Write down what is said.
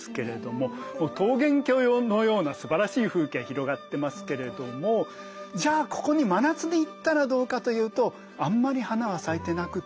もう桃源郷のようなすばらしい風景が広がってますけれどもじゃあここに真夏で行ったらどうかというとあんまり花は咲いてなくて